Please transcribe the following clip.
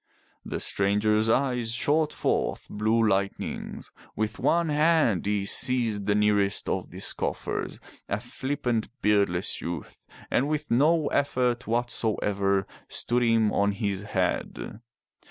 The stranger's eyes shot forth blue lightnings. With one hand he seized the nearest of the scoffers, a flippant beardless youth, and with no effort whatsoever stood him on his head.